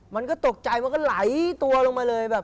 มันก็ตกใจมันก็ไหลตัวลงมาเลยแบบ